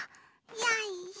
よいしょ。